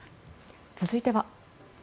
続いては。